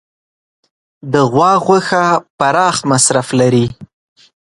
د غوا غوښه پراخ مصرف لري.